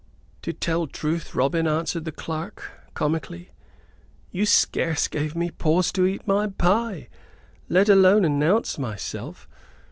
"To tell truth, Robin," answered the clerk, comically, "you scarce gave me pause to eat my pie, let alone announce myself.